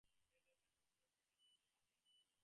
He has advocated public availability of scientific data.